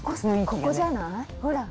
ここじゃない？